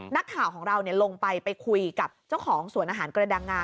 นักข่าวของเราลงไปไปคุยกับเจ้าของสวนอาหารกระดังงา